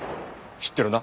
知ってるな？